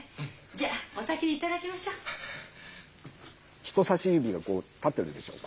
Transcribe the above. じゃお先にいただきましょう。